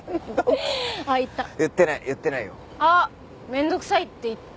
面倒くさいって言った。